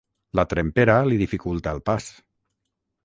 La trempera li dificulta el pas.